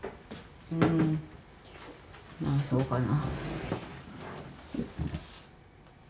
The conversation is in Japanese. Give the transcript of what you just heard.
うーんまあそうかな。